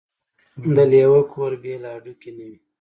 د لېوه کور بې له هډوکو نه وي.